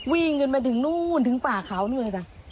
วิ่งกันมาถึงนู่นถึงป่าเขานู่นเลยจ้ะ